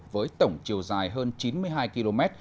với tổng chiều dài hơn chín mươi hai km